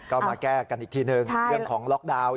ก็มาแก้กันอีกทีหนึ่งเรื่องของล็อกดาวน์